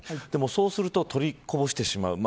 そうするととりこぼしてしまう。